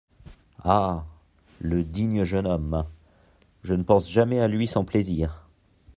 Ah ! le digne jeune homme ! je ne pense jamais à lui sans plaisir.